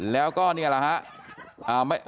แล้วก็เนี่ยล่ะฮะ